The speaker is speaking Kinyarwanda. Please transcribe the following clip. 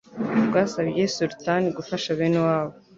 rwasabye Sultan gufasha bene wabo